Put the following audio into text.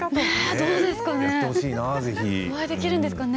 どうですかね？